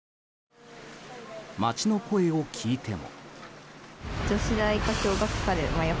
街の声を聞いても。